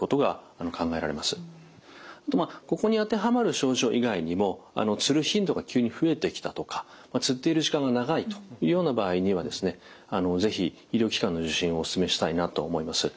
ここに当てはまる症状以外にもつる頻度が急に増えてきたとかつっている時間が長いというような場合にはですね是非医療機関の受診をおすすめしたいなと思います。